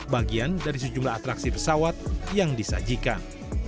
bagian dari sejumlah atraksi pesawat yang disajikan